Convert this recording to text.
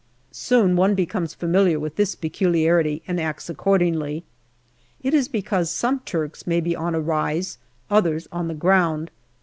Soon one becomes familiar with this peculiarity and acts accordingly. It is because some Turks may be on a rise, others on the ground.